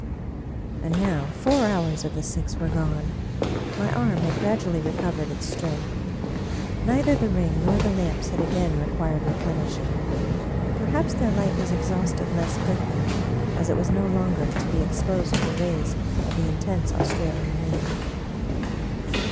And now four hours of the six were gone; my arm had gradually recovered its strength. Neither the ring nor the lamps had again required replenishing; perhaps their light was exhausted less quickly, as it was no longer to be ex posed to the rays of the intense Australian moon.